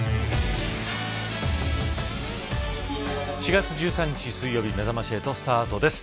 ４月１３日水曜日めざまし８スタートです。